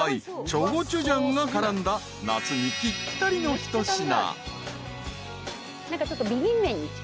チョゴチュジャンが絡んだ夏にぴったりの一品］